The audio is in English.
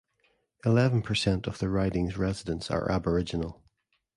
Eleven per cent of the riding's residents are aboriginal.